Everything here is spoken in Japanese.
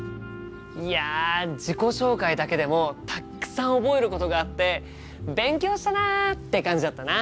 いや自己紹介だけでもたくさん覚えることがあって勉強したなって感じだったな！